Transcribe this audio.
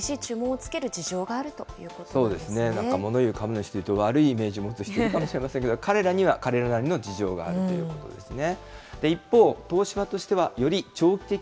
もの言う株主側にも厳しい注文をつける事情があるということそうですね、もの言う株主というと、悪いイメージ持つ人がいるかもしれませんけれども、彼らには彼らの事情があるということですね。